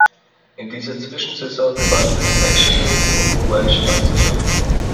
In dieser Zwischensaison gewann Nacional die Uruguayische Meisterschaft.